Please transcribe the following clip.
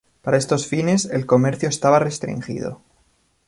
Para estos fines, el comercio estaba restringido.